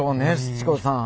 すち子さん。